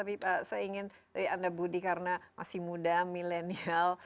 tapi saya ingin anda budi karena masih muda milenial